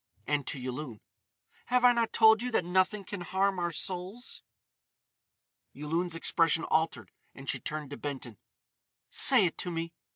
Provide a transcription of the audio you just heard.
And to Yulun: "Have I not told you that nothing can harm our souls?" Yulun's expression altered and she turned to Benton: "Say it to me!"